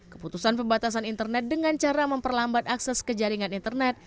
keputusan pembatasan internet dengan cara memperlambat akses ke jaringan internet